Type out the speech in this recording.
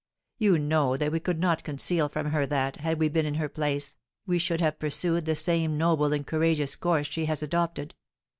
You know that we could not conceal from her that, had we been in her place, we should have pursued the same noble and courageous course she has adopted.